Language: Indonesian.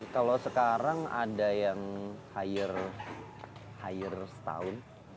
kalau sekarang ada yang hire setahun